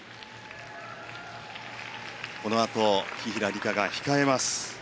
このあと、紀平梨花が控えます。